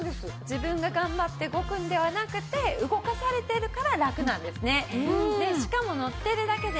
自分が頑張って動くんではなくて動かされているからラクなんですね。